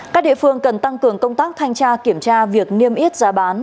các địa phương cần tăng cường công tác thanh tra kiểm tra việc niêm yết giá bán